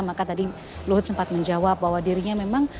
maka tadi luhut sempat menjawab bahwa dirinya memang